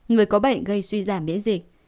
người có bệnh gây suy giảm biễn dịch